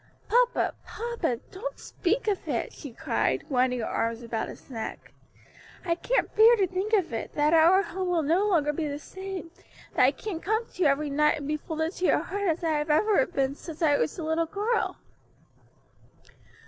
"Papa, papa, don't speak of it," she cried, winding her arms about his neck, "I can't bear to think of it; that our home will no longer be the same, that I can't come to you every night and be folded to your heart as I have been ever since I was a little girl."